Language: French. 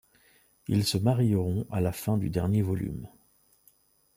Ils se marieront à la fin du dernier volume.